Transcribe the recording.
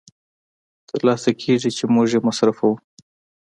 تر لاسه کېږي چې موږ یې مصرفوو